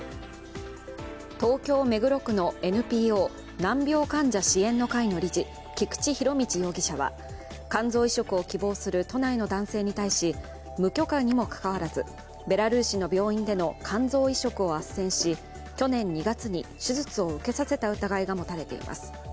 東京・目黒区のＮＰＯ難病患者支援の会の理事、菊池仁達容疑者は肝臓移植を希望する都内の男性に対し無許可にもかかわらず、ベラルーシの病院での肝臓移植をあっせんし、去年２月に手術を受けさせた疑いが持たれています。